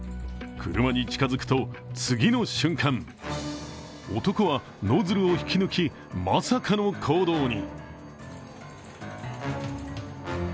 車に近づくと、次の瞬間男はノズルを引き抜き、まさかの行動に。